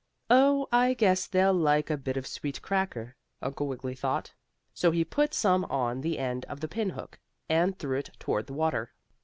"Oh, I guess they'll like a bit of sweet cracker," Uncle Wiggily thought; so he put some on the end of the pin hook, and threw it toward the water.